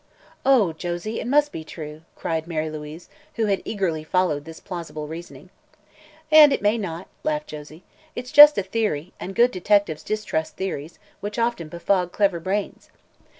"Oh, Josie, it must be true!" cried Mary Louise, who had eagerly followed this plausible reasoning. "And it may not," laughed Josie. "It's just a theory, and good detectives distrust theories, which often befog clever brains.